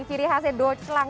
ciri khasnya do celang